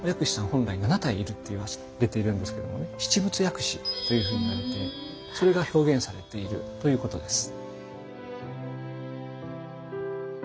本来７体いるっていわれているんですけどもね七仏薬師というふうに言われてそれが表現されているということです。